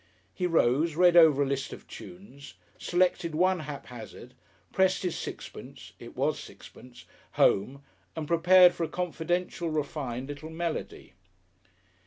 He rose, read over a list of tunes, selected one haphazard, pressed his sixpence it was sixpence! home, and prepared for a confidential, refined little melody.